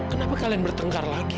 kenapa kalian bertengkar lagi